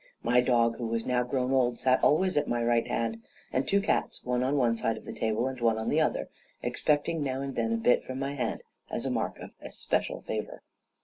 My dog, who was now grown old, sat always at my right hand; and two cats, one on one side of the table and one on the other, expecting now and then a bit from my hand, as a mark of especial favor.